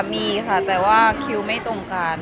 มีค่ะแต่ว่าคิวไม่ตรงกัน